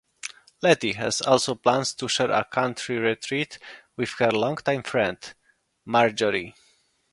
Letty has plans to share a country retreat with her longtime friend, Marjorie.